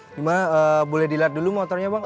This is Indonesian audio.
gimana boleh dilihat dulu motornya bang